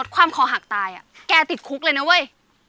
แกติดคุกเลยนะเว้ย